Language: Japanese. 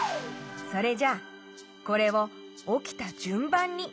それじゃこれをおきたじゅんばんにならべてみようか？